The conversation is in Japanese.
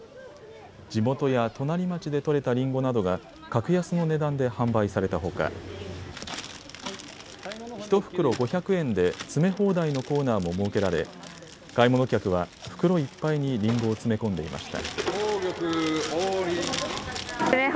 地元や隣町で取れたりんごなどが格安の値段で販売されたほか、１袋５００円で詰め放題のコーナーも設けられ買い物客は袋いっぱいにりんごを詰め込んでいました。